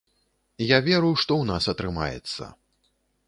Я веру, што ў нас атрымаецца.